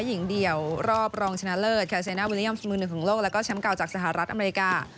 หญิงเดี่ยวรอบรองชนะเลิศคาเซน่าวินิยอัมมือหนึ่งของโลกแล้วก็แชมป์เก่าจากสหรัฐอเมริกา